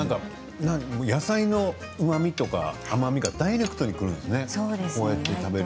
野菜のうまみとか甘みがダイレクトにくるんですね